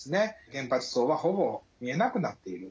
原発巣はほぼ見えなくなっている。